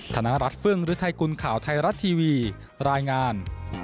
ธนรัฐฟึ่งฤทัยกุลข่าวไทยรัฐทีวีรายงาน